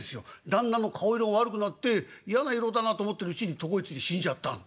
旦那の顔色が悪くなって嫌な色だなと思ってるうちに床へついて死んじゃったの」。